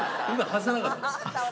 外さなかったです。